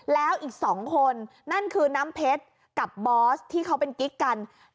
แล้วอีก๒คนนั่นคือน้ำเพชรกับบอสที่เขาเป็นกิ๊กกัน